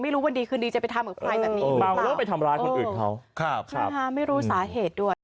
ไม่รู้วันดีคืนดีจะไปทำกับใครแบบนี้หรือเปล่าไม่รู้สาเหตุด้วย